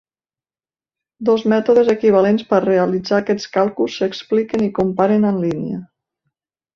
Dos mètodes equivalents per realitzar aquests càlculs s'expliquen i comparen en línia.